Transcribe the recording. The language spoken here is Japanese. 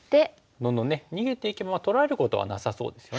どんどんね逃げていけば取られることはなさそうですよね。